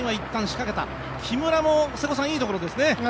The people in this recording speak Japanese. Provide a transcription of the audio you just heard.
木村も瀬古さんいいところですね。